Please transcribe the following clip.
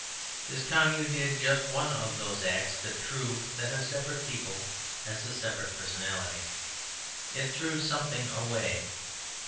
This Commune did just one of those acts that prove that a separate people has a separate personality; it threw something away.